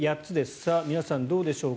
さあ、皆さんどうでしょうか。